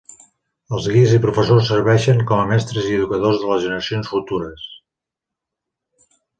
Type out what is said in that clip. Els guies i professors serveixen com a mestres i educadors de les generacions futures.